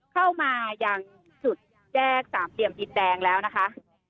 เข้ามาอย่างสุดแยก๓เดี่ยมติดแดงแล้วนะคะ